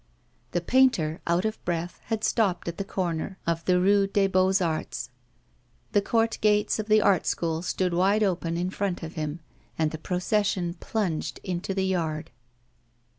The painter, out of breath, had stopped at the corner of the Rue des Beaux Arts. The court gates of the Art School stood wide open in front of him, and the procession plunged into the yard.